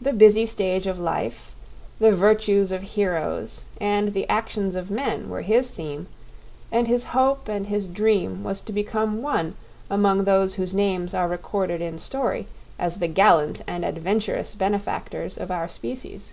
The busy stage of life, the virtues of heroes, and the actions of men were his theme; and his hope and his dream was to become one among those whose names are recorded in story as the gallant and adventurous benefactors of our species.